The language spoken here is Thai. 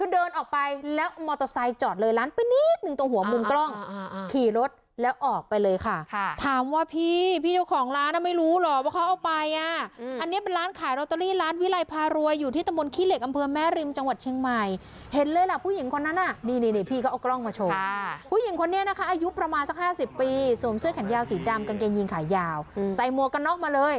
เดินออกไปแล้วมอเตอร์ไซด์จอดเลยร้านไปนิดหนึ่งตัวหัวมุมกล้องขี่รถแล้วออกไปเลยค่ะค่ะถามว่าพี่พี่เจ้าของร้านอะไม่รู้หรอว่าเขาเอาไปอ่ะอืมอันนี้เป็นร้านขายโรตเตอรี่ร้านวิรัยพารวยอยู่ที่ตะมนต์ขี้เหล็กอำเฟือแม่ริมจังหวัดเชียงใหม่เห็นเลยล่ะผู้หญิงคนนั้นน่ะนี่นี่นี่พี่เขาเอากล